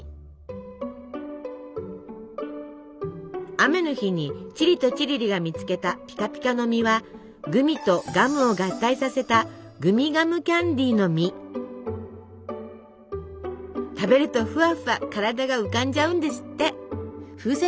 雨の日にチリとチリリが見つけたピカピカの実はグミとガムを合体させた食べるとふわふわ体が浮かんじゃうんですって！